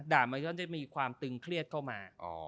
มันก็จะมีความตึงเครียดเข้ามา